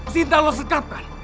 sinta lo sekat kan